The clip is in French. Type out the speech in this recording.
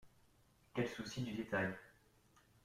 Quel souci du détail